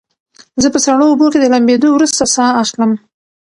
زه په سړو اوبو کې د لامبېدو وروسته ساه اخلم.